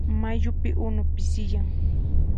Mayupi unu pisiyan.